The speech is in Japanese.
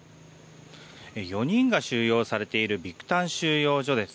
４人が収容されているビクタン収容所です。